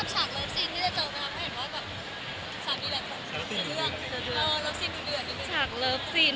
สวัสดีค่ะ